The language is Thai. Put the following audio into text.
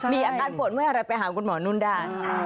มีอาการปวดเมื่ออะไรไปหาคุณหมอนุ่นได้